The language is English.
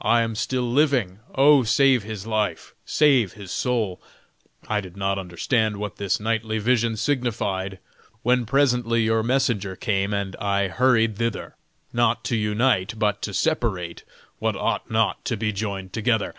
I am still living! oh, save his life! save his soul!' I did not understand what this nightly vision signified; when presently your messenger came, and I hurried thither, not to unite, but to separate, what ought not to be joined together.